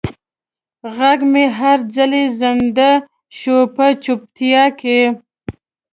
غږ مې هر ځلې زندۍ شو په چوپتیا کې